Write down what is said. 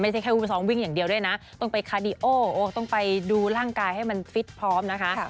แค่ผู้ซ้อมวิ่งอย่างเดียวด้วยนะต้องไปคาดีโอต้องไปดูร่างกายให้มันฟิตพร้อมนะคะ